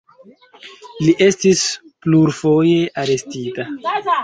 Li estis plurfoje arestita.